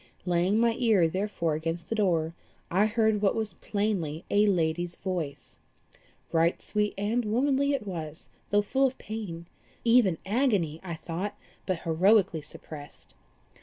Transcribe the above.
Laying my ear therefore against the door, I heard what was plainly a lady's voice. Right sweet and womanly it was, though full of pain even agony, I thought, but heroically suppressed.